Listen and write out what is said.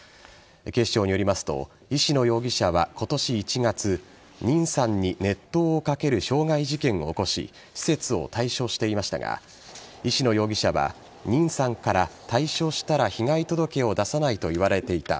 警視庁によりますと石野容疑者は今年１月任さんに熱湯をかける傷害事件を起こし施設を退所していましたが石野容疑者は任さんから退所したら被害届を出さないと言われていた。